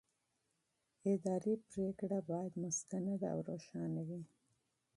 اداري پرېکړه باید مستنده او روښانه وي.